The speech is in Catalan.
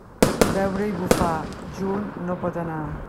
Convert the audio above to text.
Beure i bufar, junt no pot anar.